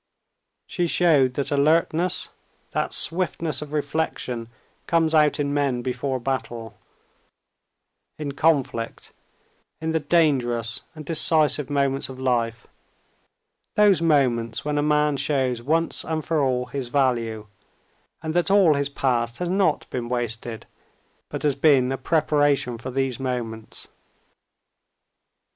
She showed that alertness, that swiftness of reflection which comes out in men before a battle, in conflict, in the dangerous and decisive moments of life—those moments when a man shows once and for all his value, and that all his past has not been wasted but has been a preparation for these moments.